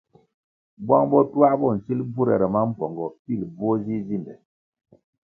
Bwang botuā bo nsil bvurere mambpongo pilʼ bvuo zi zinde.